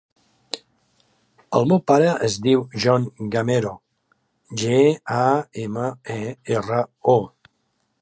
El meu pare es diu John Gamero: ge, a, ema, e, erra, o.